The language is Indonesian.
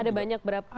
ada banyak berapa